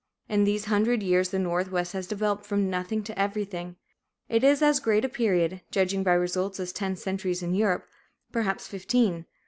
In these hundred years the Northwest has developed from nothing to everything. It is as great a period, judging by results, as ten centuries in Europe, perhaps fifteen.